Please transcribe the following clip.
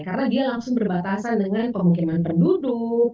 karena dia langsung berbatasan dengan pemukiman penduduk